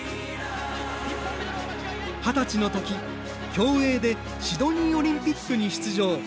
二十歳のとき、競泳でシドニーオリンピックに出場。